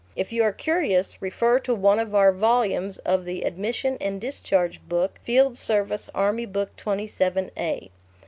If you are curious, refer to one of our volumes of the Admission and Discharge Book: Field Service Army Book 27a.